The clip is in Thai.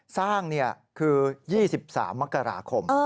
สร้างคือ๒๓มกราคม